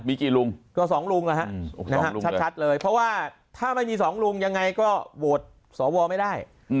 มีกี่ลุงก็สองลุงนะฮะชัดเลยเพราะว่าถ้าไม่มีสองลุงยังไงก็โหวตสวไม่ได้